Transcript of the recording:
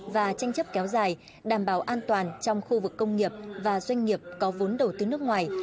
và tranh chấp kéo dài đảm bảo an toàn trong khu vực công nghiệp và doanh nghiệp có vốn đầu tư nước ngoài